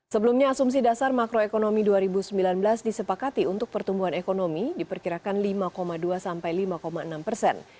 sebelumnya asumsi dasar makroekonomi dua ribu sembilan belas disepakati untuk pertumbuhan ekonomi diperkirakan lima dua sampai lima enam persen